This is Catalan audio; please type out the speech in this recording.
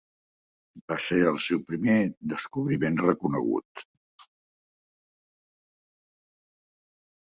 Va ser el seu primer descobriment reconegut.